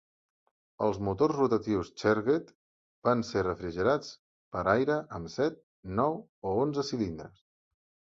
Els motors rotatius Clerget van ser refrigerats per aire amb set, nou o onze cilindres.